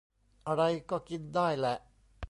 อะไรก็กินได้แหละ